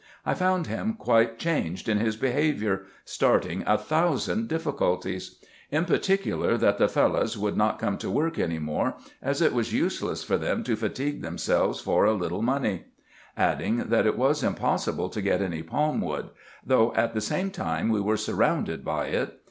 I found him quite changed in his behaviour, starting a thousand difficulties ; in particular, that the Fellahs would not come to work any more, as it was useless for them to fatigue themselves for a little money ; adding, that it was impossible to get any palm wood ; though at the same time we were surrounded by it.